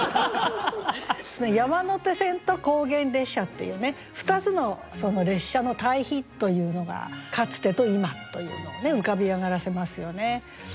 「山手線」と「高原列車」っていう２つの列車の対比というのがかつてと今というのを浮かび上がらせますよね。